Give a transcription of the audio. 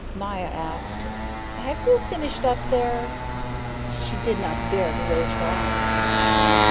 Maya asked: "Have you finished up there?" She did not dare to raise her eyes.